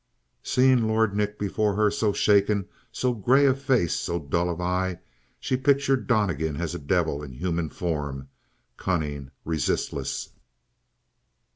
Seeing Lord Nick before her, so shaken, so gray of face, so dull of eye, she pictured Donnegan as a devil in human form, cunning, resistless.